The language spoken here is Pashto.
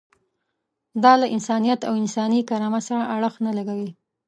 دا له انسانیت او انساني کرامت سره اړخ نه لګوي.